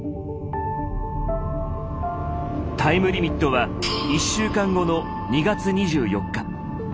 タイムリミットは１週間後の２月２４日。